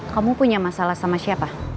kamu punya masalah sama siapa